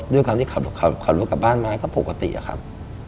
ด้วยความที่ขับรถกลับบ้านมาก็ปกติอะครับ